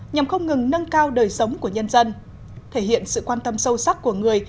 nhằm không ngừng nâng cao đời sống của nhân dân thể hiện sự quan tâm sâu sắc của người